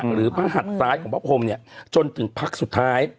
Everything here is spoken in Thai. หรือพระหัดซ้ายของพระพรมเนี่ยจนถึงพักสุดท้าย